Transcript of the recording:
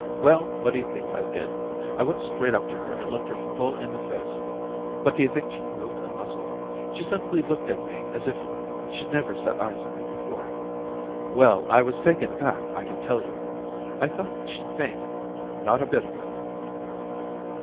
'Well, what d'you think I did? I went straight up to her and looked her full in the face. But d'you think she moved a muscle? She simply looked at me as if she'd never set eyes on me before. Well, 248 Orientations I was taken aback, I can tell you. I thought she'd faint. Not a bit of it.'